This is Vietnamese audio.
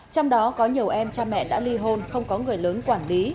trong đó có nhiều em cha mẹ đã ly hôn không có người lớn quản lý